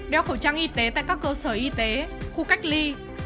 đeo khẩu trang y tế tại các cơ sở y tế khu cách ly